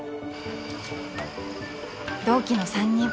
［同期の３人。